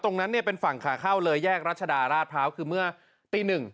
ตรงนั้นเนี่ยเป็นฝั่งขาเข้าเลยแยกรัชดาราชพร้าวคือเมื่อตีหนึ่ง